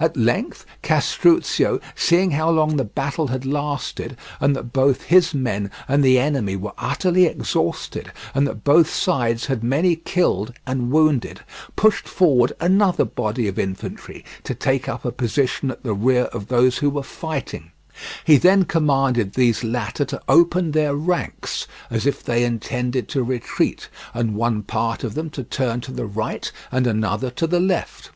At length Castruccio, seeing how long the battle had lasted, and that both his men and the enemy were utterly exhausted, and that both sides had many killed and wounded, pushed forward another body of infantry to take up a position at the rear of those who were fighting; he then commanded these latter to open their ranks as if they intended to retreat, and one part of them to turn to the right and another to the left.